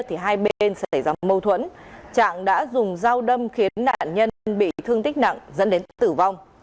thì hai bên xảy ra mâu thuẫn trạng đã dùng dao đâm khiến nạn nhân bị thương tích nặng dẫn đến tử vong